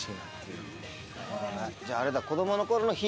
じゃああれだ。